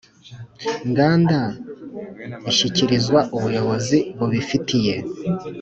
nganda ishyikirizwa Ubuyobozi bubifitiye